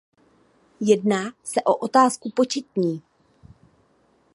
Jedná se o otázku početní.